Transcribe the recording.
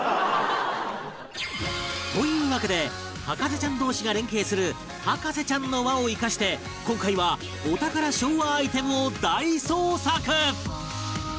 というわけで博士ちゃん同士が連携する博士ちゃんの輪を生かして今回はお宝昭和アイテムを大捜索！